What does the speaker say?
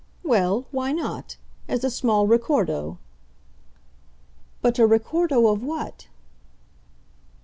"Well, why not as a small ricordo." "But a ricordo of what?"